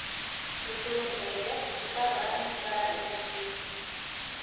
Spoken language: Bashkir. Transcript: Көтөүен әйҙәп, утарға инеп бара ине, ти.